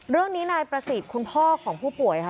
เรื่องนี้นายประสิทธิ์คุณพ่อของผู้ป่วยค่ะ